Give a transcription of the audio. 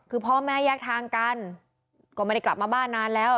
คือพ่อแม่แยกทางกันก็ไม่ได้กลับมาบ้านนานแล้ว